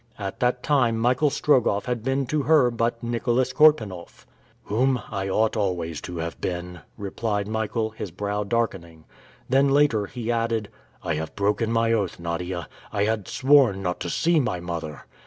At that time Michael Strogoff had been to her but Nicholas Korpanoff. "Whom I ought always to have been," replied Michael, his brow darkening. Then later he added, "I have broken my oath, Nadia. I had sworn not to see my mother!"